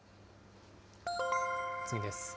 次です。